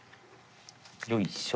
よいしょ。